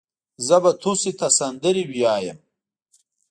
زه بو توسې ته سندرې ويايم.